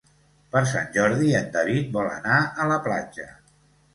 Per Sant Jordi en David vol anar a la platja.